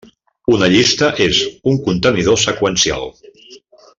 Una llista és un contenidor seqüencial.